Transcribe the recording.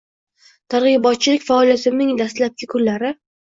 Targ‘ibotchilik faoliyatimning dastlabki kunlari.